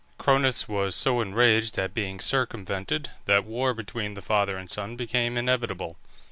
Cronus was so enraged at being circumvented that war between the father and son became inevitable.